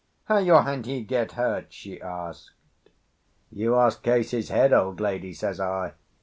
"How your hand he get hurt?" she asked. "You ask Case's head, old lady," says I.